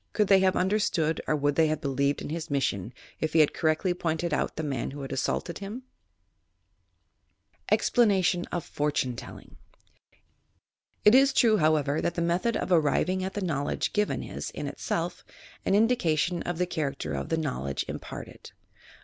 Could they have under stood or would they have believed in his mission if he had correctly pointed out the man who had assaulted himT EXPLANATION OP "POKTUNE TELLINO" It is true, however, that the method of arriving at the knowledge given is, in itself, an indication of the char acter of the knowledge imparted.